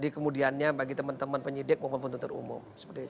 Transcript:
kemudiannya bagi teman teman penyidik maupun tentu terumum